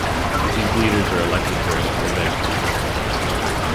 These leaders are elected during a convention.